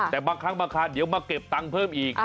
แต่บางครั้งบางคราวเดี๋ยวมาเก็บตังค์เพิ่มอีก